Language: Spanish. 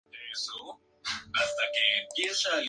Sociedad Italiana de Socorros Mutuos.